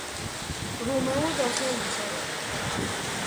رومئو داخل میشود.